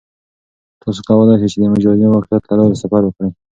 تاسو کولای شئ چې د مجازی واقعیت له لارې سفر وکړئ.